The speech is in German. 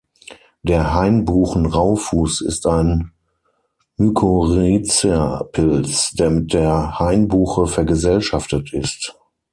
Der Hainbuchen-Raufuß ist ein Mykorrhiza-Pilz, der mit der Hainbuche vergesellschaftet ist.